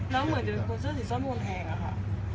แล้วเหมือนจะคนเสื้อสีส้มวงแทงอะค่ะ